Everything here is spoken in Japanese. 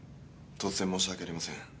突然申し訳ありません。